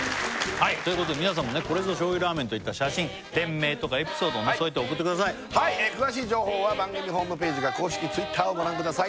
はいということで皆さんもこれぞ醤油ラーメンといった写真店名とかエピソードも添えて送ってください詳しい情報は番組ホームページか公式Ｔｗｉｔｔｅｒをご覧ください